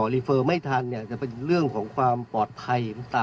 รีเฟิร์มไม่ทันเนี่ย